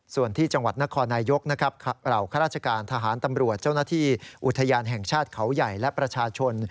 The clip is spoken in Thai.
ส่วนที่จังหวัดนครนายกนะครับเหล่าข้าราชการทหารตำรวจเจ้าหน้าที่อุทยานแห่งชาติเขาใหญ่และประชาชน